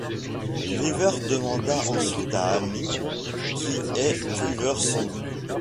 River demande ensuite à Amy qui est River Song.